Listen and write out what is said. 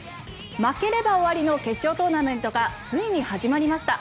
負ければ終わりの決勝トーナメントがついに始まりました。